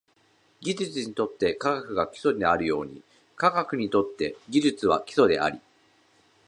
技術にとって科学が基礎であるように、科学にとって技術は基礎であり、